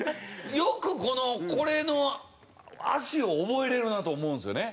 よくこのこれの足を覚えられるなと思うんですよね。